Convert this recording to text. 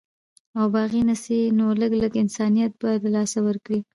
او باغي نسي نو لږ، لږ انسانيت به د لاسه ورکړي